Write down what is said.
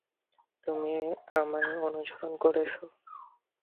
তুমি আমায় অনুসরণ করেছো!